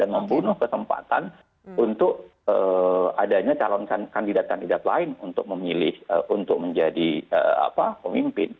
dan membunuh kesempatan untuk adanya calon kandidat kandidat lain untuk memilih untuk menjadi pemimpin